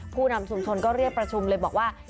ผู้นำชุมชนก็เรียกประชุมเลยบอกว่า